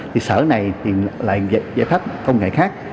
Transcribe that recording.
thì sở này lại giải pháp công nghệ khác